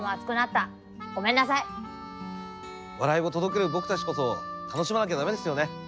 笑いを届ける僕たちこそ楽しまなきゃ駄目ですよね。